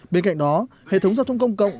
bên cạnh đó hệ thống giao thông công cộng